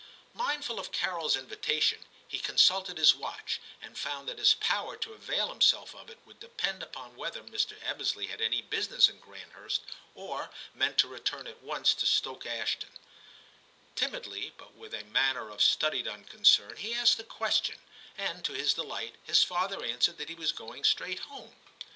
Mindful of Carols invitation, he consulted his watch, and found that his power to avail himself of it would depend upon whether Mr. Ebbesley had any business in Granthurst, or meant to return at once to Stoke Ashton ; timidly, but with a manner of studied unconcern, he asked the question, and to his delight his father answered that he was going straight home.